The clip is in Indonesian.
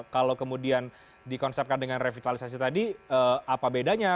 kalau kemudian dikonsepkan dengan revitalisasi tadi apa bedanya